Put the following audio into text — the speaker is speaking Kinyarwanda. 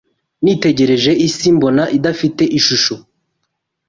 Nitegereje isi mbona idafite ishusho